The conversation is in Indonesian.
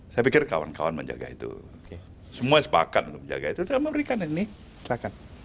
saya pikir kawan kawan menjaga itu semua sepakat untuk menjaga itu dan memberikan ini silahkan